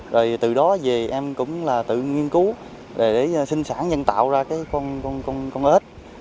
rồi từ đó về em cũng tự nghiên cứu để sinh sản nhân tạo ra con ếch